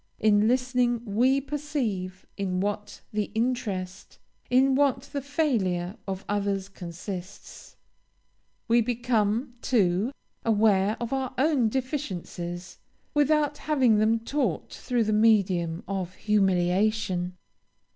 In listening we perceive in what the interest, in what the failure of others consists; we become, too, aware of our own deficiencies, without having them taught through the medium of humiliation.